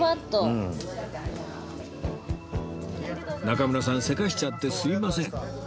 中村さんせかしちゃってすいません